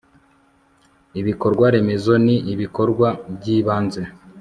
ibikorwaremezo ni ibikorwa by'ibanze